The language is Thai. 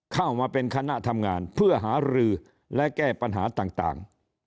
เข้ามาเป็นคณะทำงานเพื่อหารือและแก้ปัญหาต่าง